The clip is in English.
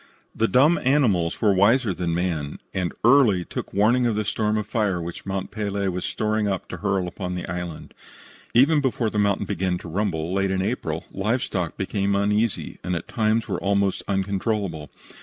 The dumb animals were wiser than man, and early took warning of the storm of fire which Mont Pelee was storing up to hurl upon the island. Even before the mountain began to rumble, late in April, live stock became uneasy, and at times were almost uncontrollable.